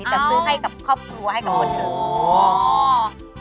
แต่ซื้อให้กับครอบครัวให้กับคนอื่น